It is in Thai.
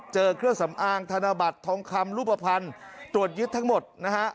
เจอเครื่องสำอางธนบัตรทองคำรูปภัณฑ์ตรวจยึดทั้งหมดนะฮะ